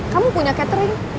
kamu punya catering